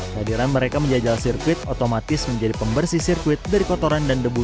hadiran mereka menjajal sirkuit otomatis menjadi pembersih sirkuit dari kotoran dan debu